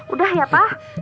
udah ya pak